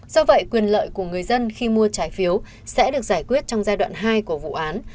do vậy quyền lợi của người dân khi mua trái phiếu sẽ được giải quyết trong giai đoạn hai của vụ án